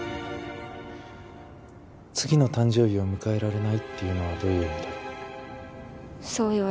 次の誕生日を迎えられないっていうのはどういう意味だろう？